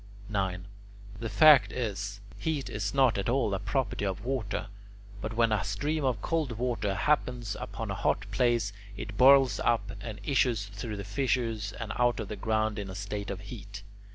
9. The fact is, heat is not at all a property of water, but when a stream of cold water happens upon a hot place, it boils up, and issues through the fissures and out of the ground in a state of heat.